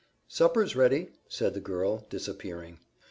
"Supper's ready," said the girl, disappearing.